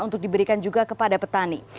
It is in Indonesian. untuk diberikan juga kepada petani